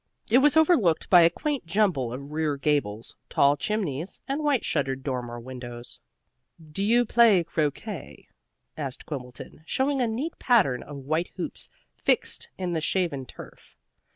It was overlooked by a quaint jumble of rear gables, tall chimneys and white shuttered dormer windows. "Do you play croquet?" asked Quimbleton, showing a neat pattern of white hoops fixed in the shaven turf.